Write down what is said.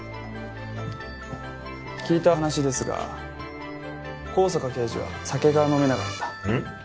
聞いた話ですが香坂刑事は酒が飲めなかったうん？